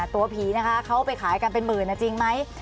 ตัวผีนะคะเขาไปขายกันเป็นหมื่นจริงไหม